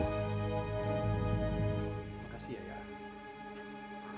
makasih ya ayah